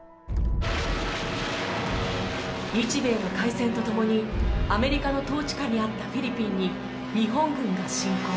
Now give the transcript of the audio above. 日米の開戦とともにアメリカの統治下にあったフィリピンに日本軍が侵攻。